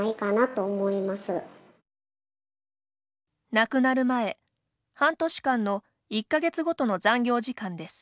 亡くなる前半年間の１か月ごとの残業時間です。